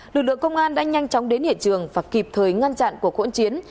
lực lượng công an đã nhanh chóng đến hiện trường và kịp thời ngăn chặn của cuộn chiến